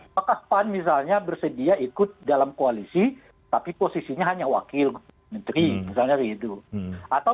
apakah pan misalnya bersedia ikut dalam koalisi tapi posisinya hanya wakil menteri misalnya begitu